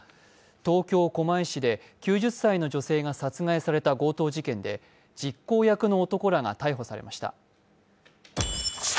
東京・狛江市で９０歳の女性が殺害された強盗殺人事件で実行役の男らが逮捕されました。